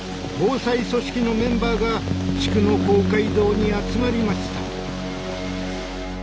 防災組織のメンバーが地区の公会堂に集まりました。